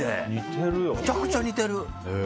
めちゃくちゃ似てる。